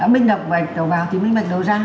mình đọc bạch đầu vào thì bí mật đầu ra